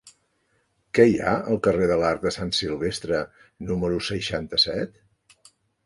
Què hi ha al carrer de l'Arc de Sant Silvestre número seixanta-set?